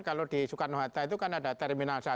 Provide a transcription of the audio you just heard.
kalau di soekarno hatta itu kan ada terminal satu